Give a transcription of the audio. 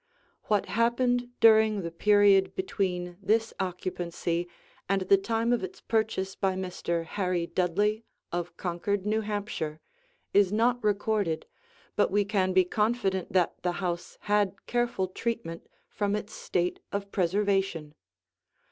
What happened during the period between this occupancy and the time of its purchase by Mr. Harry Dudley of Concord, New Hampshire, is not recorded, but we can be confident that the house had careful treatment from its state of preservation.